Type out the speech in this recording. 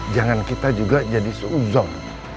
jangan kita juga jadi suuzon